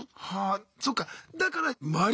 そっかだから周り